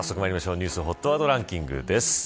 ニュースＨＯＴワードランキングです。